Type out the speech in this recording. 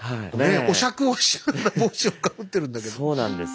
お酌をしながら帽子をかぶってるんだけども。